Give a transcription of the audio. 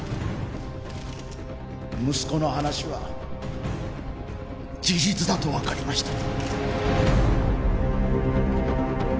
息子の話は事実だとわかりました。